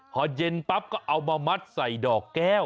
พอเย็นปั๊บก็เอามามัดใส่ดอกแก้ว